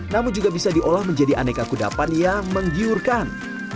namun juga bisa diolah menjadi aneka kudapan yang menggiurkan